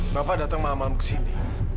bapak datang malam malam ke sini